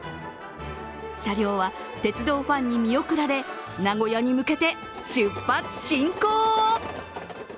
車両は、鉄道ファンに見送られ名古屋に向けて出発進行。